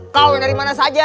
kau yang dari mana saja